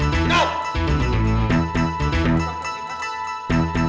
pusap enam enam